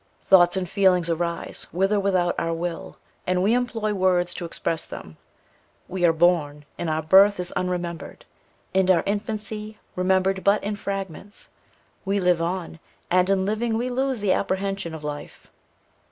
Thoughts and feelings arise, with or without our will, and we employ words to express them. We are born, and our birth is unremembered, and our infancy remembered but in fragments; we live on, and in living we lose the apprehension of life.